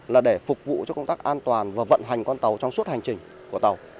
là để phục vụ cho công tác an toàn và vận hành con tàu trong suốt hành trình của tàu